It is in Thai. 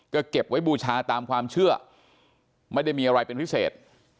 ก็เก็บไว้บูชาตามความเชื่อไม่ได้มีอะไรเป็นพิเศษ